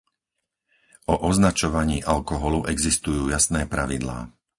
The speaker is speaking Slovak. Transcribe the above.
O označovaní alkoholu existujú jasné pravidlá.